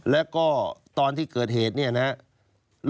แล้วก็ตอนที่เกิดเหตุเนี่ยนะครับ